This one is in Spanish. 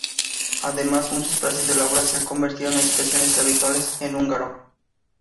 Además, muchas frases de la obra se han convertido en expresiones habituales en húngaro.